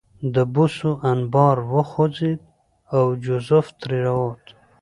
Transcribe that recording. د بوسو انبار وخوځېد او جوزف ترې راووت